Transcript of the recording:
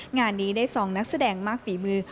งานนี้ได้ซองนักแสดงมากฝีมือ